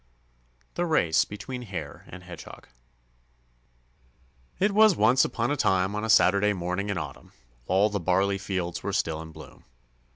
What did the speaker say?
The Race Between Hare and Hedgehog It was once upon a time on a Saturday morning in autumn, while the barley fields were still in bloom.